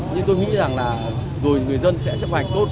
nhưng tôi nghĩ rằng là rồi người dân sẽ chấp hành tốt